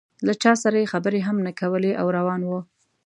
له چا سره یې خبرې هم نه کولې او روان و.